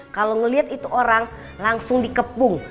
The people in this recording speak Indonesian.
kalau melihat itu orang langsung dikepung